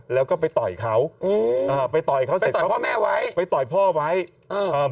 แล้วก็ไปต่อยเขาไปต่อยเขาเสร็จไปต่อยพ่อไวท์